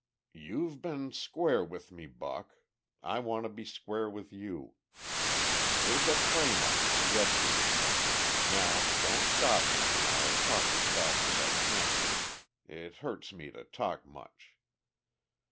"You've been square with me, Buck. I want to be square with you.... There's a frame up to get you. Now don't stop me an' I'll talk as fast as I can. It hurts me to talk much."